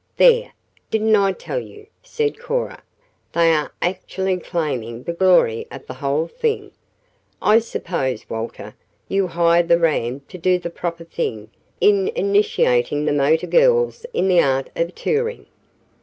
"There! Didn't I tell you?" said Cora. "They are actually claiming the glory of the whole thing. I suppose, Walter, you hired the ram to do the proper thing in initiating the motor girls in the art of touring?"